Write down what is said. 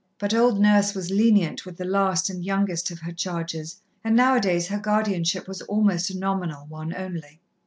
But old Nurse was lenient with the last and youngest of her charges, and now a days her guardianship was almost a nominal one only.